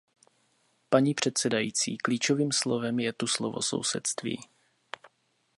Paní předsedající, klíčovým slovem je tu slovo sousedství.